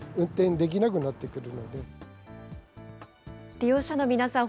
利用者の皆さん、